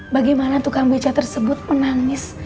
bagaimana tukang beca tersebut menangis